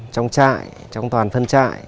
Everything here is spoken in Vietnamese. trong trại trong toàn phân trại